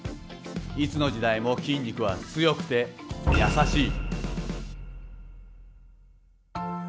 いつの時代も筋肉は強くて優しい。